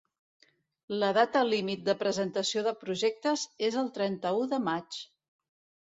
La data límit de presentació de projectes és el trenta-u de maig.